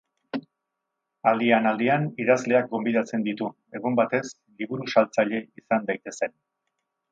Aldian-aldian, idazleak gonbidatzen ditu, egun batez liburu-saltzaile izan daitezen.